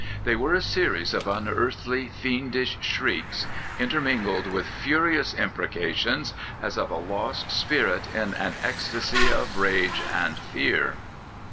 They were a series of unearthly, fiendish shrieks, inter mingled with furious imprecations, as of a lost spirit in an ecstasy of rage and fear.